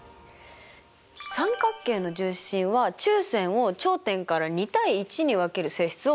三角形の重心は中線を頂点から２：１に分ける性質を持っているんです。